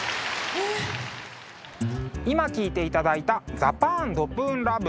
今聴いていただいた「ザパーンドプーンＬＯＶＥ」。